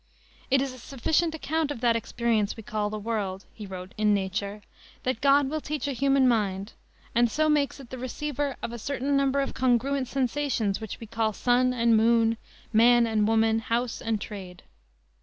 "It is a sufficient account of that appearance we call the world," he wrote in Nature, "that God will teach a human mind, and so makes it the receiver of a certain number of congruent sensations which we call sun and moon, man and woman, house and trade.